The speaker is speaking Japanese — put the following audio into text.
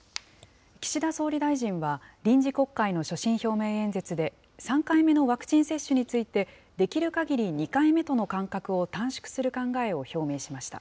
岸田総理大臣は、臨時国会の所信表明演説で、３回目のワクチン接種について、できるかぎり２回目との間隔を短縮する考えを表明しました。